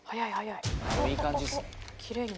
いい感じっすね。